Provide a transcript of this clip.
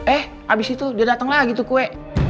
eh abis itu dia datang lagi tuh kue